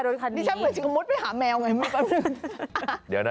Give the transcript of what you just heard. รถคันดีนี่ฉันเหมือนถึงมุดไปหาแมวไงเมื่อแป๊บนึงเดี๋ยวน่ะ